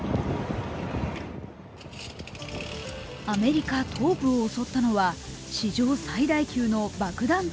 アメリカ東部を襲ったのは、史上最大級の爆弾